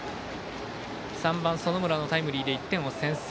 ３番園村のタイムリーで１点を先制。